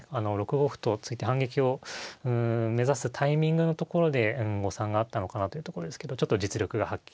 ６五歩と突いて反撃を目指すタイミングのところで誤算があったのかなというとこですけどちょっと実力が発揮できなかったでしょうかね。